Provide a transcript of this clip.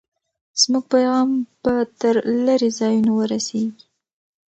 زموږ پیغام به تر لرې ځایونو ورسېږي.